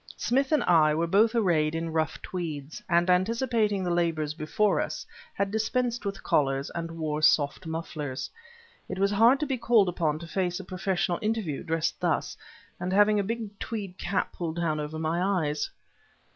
Smith and I were both arrayed in rough tweeds, and anticipating the labors before us, had dispensed with collars and wore soft mufflers. It was hard to be called upon to face a professional interview dressed thus, and having a big tweed cap pulled down over my eyes.